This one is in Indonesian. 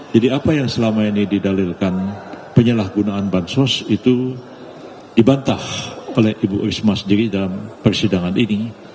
jadi apa yang selama ini didalilkan penyalahgunaan bansuas itu dibantah oleh ibu risma sendiri dalam persidangan ini